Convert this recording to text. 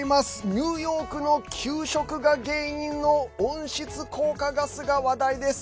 ニューヨークの給食が原因の温室効果ガスが話題です。